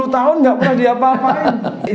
dua puluh tahun gak pernah diapa apain